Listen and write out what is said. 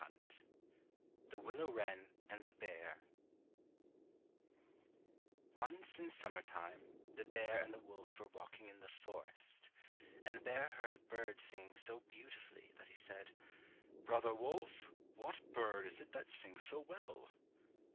102 The Willow Wren and the Bear Once in summer time the bear and the wolf were walking in the forest, and the bear heard a bird singing so beautifully that he said, "Brother wolf, what bird is it that sings so well?"